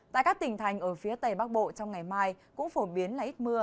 tại các tỉnh thành ở phía tây bắc bộ trong ngày mai cũng phổ biến là ít mưa